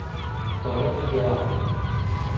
Tohle my děláme.